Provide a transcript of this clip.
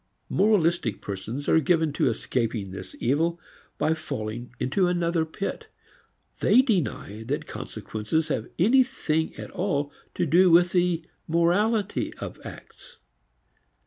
Moralistic persons are given to escaping this evil by falling into another pit. They deny that consequences have anything at all to do with the morality of acts.